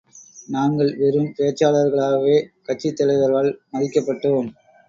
நாங்கள் வெறும் பேச்சாளர்களாகவே கட்சித் தலைவர்களால் மதிக்கப்பட்டோம்.